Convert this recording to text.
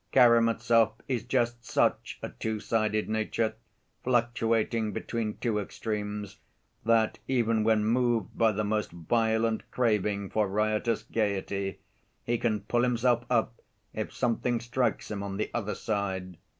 Karamazov is just such a two‐sided nature, fluctuating between two extremes, that even when moved by the most violent craving for riotous gayety, he can pull himself up, if something strikes him on the other side.